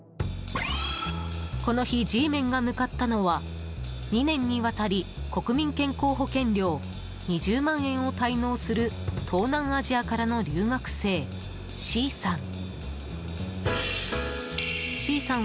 この日、Ｇメンが向かったのは２年にわたり国民健康保険料２０万円を滞納する東南アジアからの留学生Ｃさん。